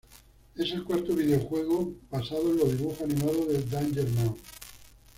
Es el cuarto videojuego basado en los dibujos animados de Danger Mouse.